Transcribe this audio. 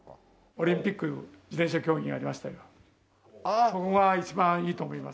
オリンピック自転車競技ありましたけどそこが一番いいと思います。